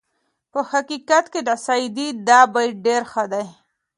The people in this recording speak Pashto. په حقیقت کې د سعدي دا بیت ډېر ښه دی.